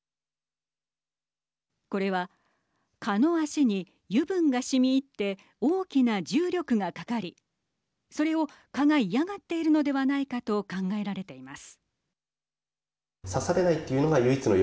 これは蚊の脚に油分が染み入って大きな重力がかかりそれを蚊が嫌がっているのではないかと考えられています。